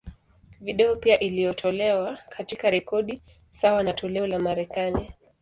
Video pia iliyotolewa, katika rekodi sawa na toleo la Marekani.